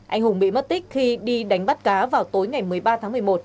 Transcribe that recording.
anh hùng bị mất tích khi đi đánh bắt cá vào tối ngày một mươi ba tháng một mươi một